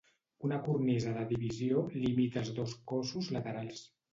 Una cornisa de divisió limita els dos cossos laterals.